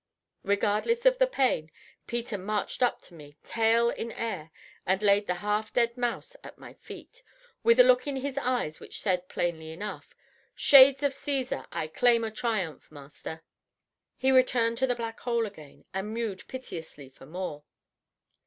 Regardless of the pain, Peter marched up to me, tail in air, and laid the half dead mouse at my feet, with a look in his eyes which said plainly enough, "Shades of Caesar! I claim a Triumph, master." He returned to the black hole again, and mewed piteously for more.